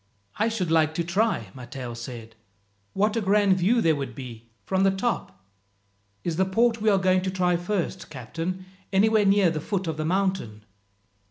"I should like to try," Matteo said. "What a grand view there would be from the top! "Is the port we are going to try first, captain, anywhere near the foot of the mountain?"